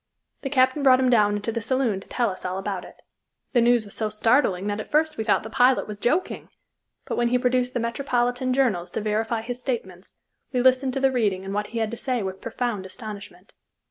The captain brought him down into the saloon to tell us all about it. The news was so startling that at first we thought the pilot was joking, but when he produced the metropolitan journals to verify his statements, we listened to the reading and what he had to say with profound astonishment.